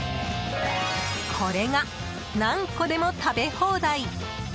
これが何個でも食べ放題。